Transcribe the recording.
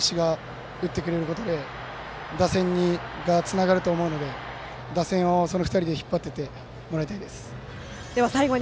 ３番の真鍋と４番の小林が打ってくれることで打線がつながると思うので打線をその２人で引っ張っていってもらいたいです。